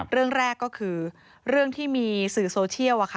เรื่องแรกก็คือเรื่องที่มีสื่อโซเชียลอะค่ะ